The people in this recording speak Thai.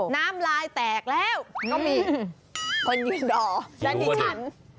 น้ำลายแตกแล้วก็มีคนยืนรอและดิฉัน